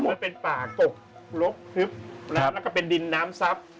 มันเป็นป่ากกรกทึบแล้วก็เป็นดินน้ำซับ